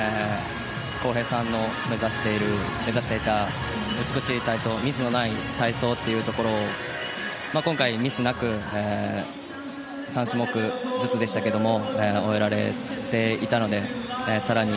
航平さんの目指していた美しい体操ミスのない体操というところを今回、ミスなく３種目でしたけど終えられていたので更に